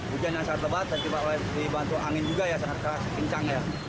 hujan yang sangat lebat dan dibantu angin juga ya sangat keras kencang ya